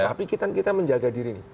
tapi kita menjaga diri nih